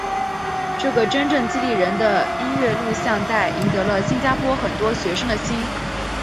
这个真正激励人的音乐录影带赢得了新加坡很多学生的心。